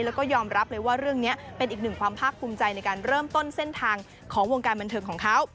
แล้วก็ยอมรับเลยว่าเรื่องนี้เป็นอีกหนึ่งความภาคภูมิใจในการเริ่มต้นเส้นทางของวงการบันเทิงของเขา